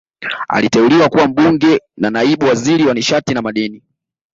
Aliteuliwa kuwa Mbunge na Naibu Waziri wa Nishati na Madini